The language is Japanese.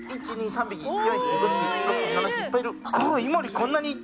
いっぱいいる。